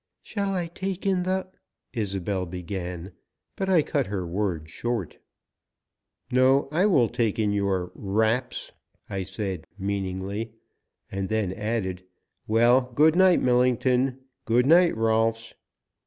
"Shall I take in the " Isobel began, but I cut her words short. "No, I will take in your wraps," I said meaningly, and then added: "Well, good night, Millington; good night, Rolfs."